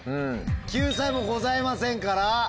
救済もございませんから。